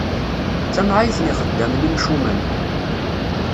D tamɛayt n ixeddamen imcumen.